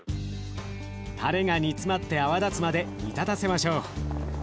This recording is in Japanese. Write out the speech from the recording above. たれが煮詰まって泡立つまで煮立たせましょう。